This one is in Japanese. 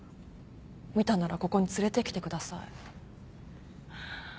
見たならここに連れてきてください。